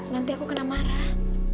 nanti aku kena marah